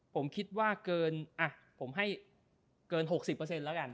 ผมคิดว่าเกิน๖๐เปอร์เซ็นต์แล้วกัน